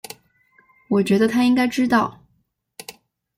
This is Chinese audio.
我觉得他应该知道